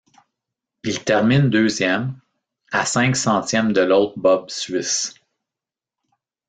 Il termine deuxième, à cinq centièmes de l'autre bob suisse.